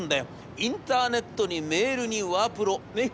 インターネットにメールにワープロねっ。